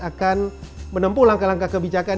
akan menempuh langkah langkah kebijakan